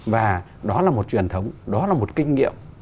và đó là một truyền thống đó là một kinh nghiệm